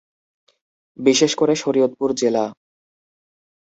বিশেষকরে শরীয়তপুর জেলা।